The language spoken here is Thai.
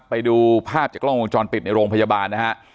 ไปดูภาพจากกล้องวงจรปิดในโรงพยาบาลนะฮะ